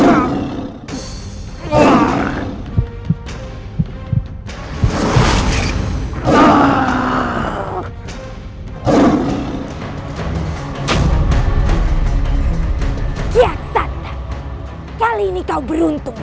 aku akan menangkapmu